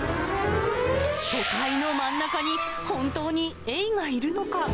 都会の真ん中に本当にエイはいるのか？